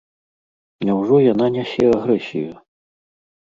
Няўжо яна нясе агрэсію?